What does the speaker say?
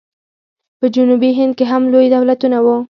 په جنوبي هند کې هم لوی دولتونه وو.